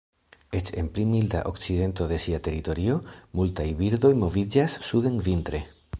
Eĉ en pli milda okcidento de sia teritorio, multaj birdoj moviĝas suden vintre.